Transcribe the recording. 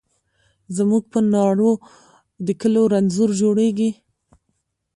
زموږ په ناړو د کلو رنځور جوړیږي